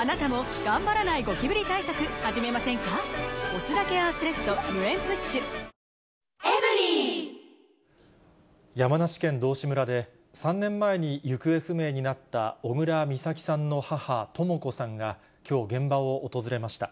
美咲が持っていた靴下と同じ山梨県道志村で、３年前に行方不明になった小倉美咲さんの母、とも子さんが、きょう、現場を訪れました。